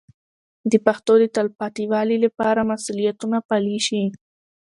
د پښتو د تلپاتې والي لپاره مسوولیتونه پلي شي.